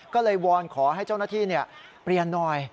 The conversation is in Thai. ก็เลยวอนขอให้เจ้าหน้าที่เปลี่ยนหน่อย